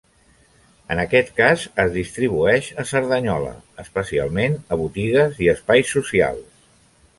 En aquest cas es distribueix a Cerdanyola, especialment a botigues i a espais socials.